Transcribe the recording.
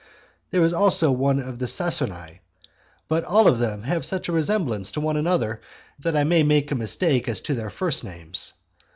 There is also one of the Sasernae; but all of them have such a resemblance to one another, that I may make a mistake as to their first names.